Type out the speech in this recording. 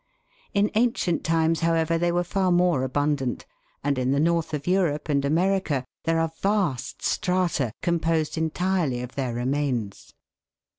In ancient times, however, they were far more abundant, and in the north of Europe and America there are vast strata, com posed entirely of their remains.